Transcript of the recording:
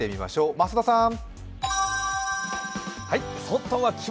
増田さん！